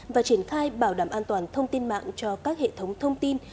và triển khai bảo đảm an toàn thông tin mạng cho các hệ thống thông tin